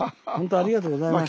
ありがとうございます。